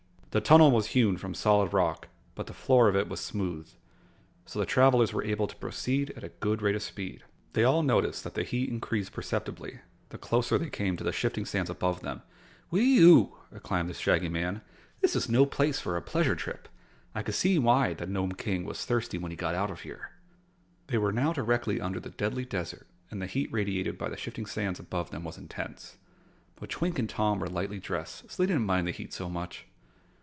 The tunnel was hewn from solid rock, but the floor of it was smooth, so the travelers were able to proceed at a good rate of speed. They all noticed that the heat increased perceptibly the closer they came to the shifting sands above them. "Whee ew!" exclaimed the Shaggy Man. "This is no place for a pleasure trip. I can see why the Nome King was thirsty when he got out of here." They were now directly under the Deadly Desert and the heat radiated by the shifting sands above them was intense. But Twink and Tom were lightly dressed, so they didn't mind the heat so much.